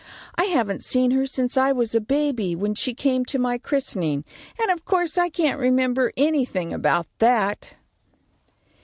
I haven't seen her since I was a baby, when she came to my christening, and of course I can't remember anything about that."